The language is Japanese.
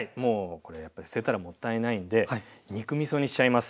これやっぱり捨てたらもったいないんで肉みそにしちゃいます。